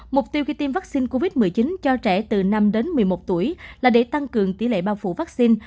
mục tiêu khi tiêm vaccine covid một mươi chín cho trẻ từ năm đến một mươi một tuổi là để tăng cường tỷ lệ bao phủ vaccine